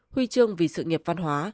huy chương vì sự nghiệp văn hóa